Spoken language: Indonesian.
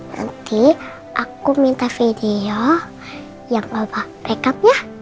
nanti aku minta video yang apa rekap ya